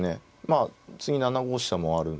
まあ次７五飛車もある。